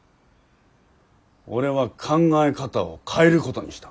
俺は考え方を変えることにした。